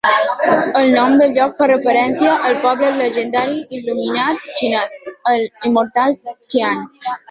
El nom del lloc fa referència al poble llegendari il·luminat xinès, els "immortals" Xian.